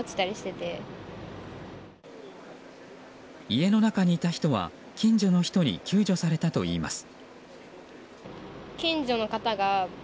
家の中にいた人は近所の人に救助されたといいます。